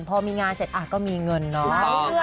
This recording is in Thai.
พอมีงานเสร็จก็มีเงินเนาะ